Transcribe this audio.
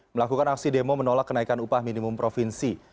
melakukan aksi demo menolak kenaikan upah minimum provinsi